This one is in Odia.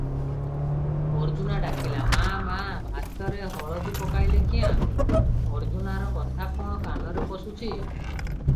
ଅର୍ଜୁନା ଡାକିଲା, "ମା ମା, ଭାତରେ ହଳଦି ପକାଇଲେ କ୍ୟାଁ?" ଅର୍ଜୁନାର କଥା କଣ କାନରେ ପଶୁଛି?